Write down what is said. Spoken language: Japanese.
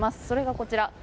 それが、こちら。